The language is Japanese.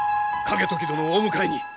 景時殿をお迎えに。